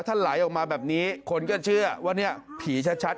ถ้าไหลออกมาแบบนี้คนก็เชื่อว่าเนี่ยผีชัด